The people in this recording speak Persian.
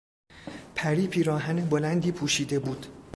پری پیراهن بلندی پوشیده بود.